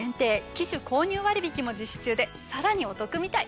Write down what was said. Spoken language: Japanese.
機種購入割引も実施中でさらにお得みたい。